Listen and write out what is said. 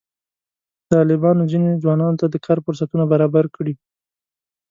طالبانو ځینو ځوانانو ته د کار فرصتونه برابر کړي.